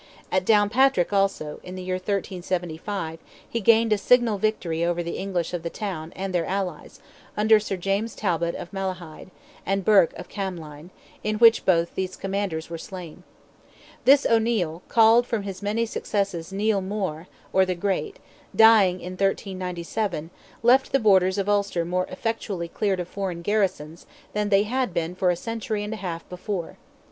At Downpatrick also, in the year 1375, he gained a signal victory over the English of the town and their allies, under Sir James Talbot of Malahide, and Burke of Camline, in which both these commanders were slain. This O'Neil, called from his many successes Neil More, or the Great, dying in 1397, left the borders of Ulster more effectually cleared of foreign garrisons than they had been for a century and a half before.